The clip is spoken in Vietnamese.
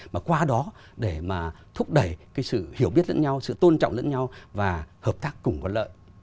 mà qua đó để mà thúc đẩy cái sự hiểu biết lẫn nhau sự tôn trọng lẫn nhau và hợp tác cùng có lợi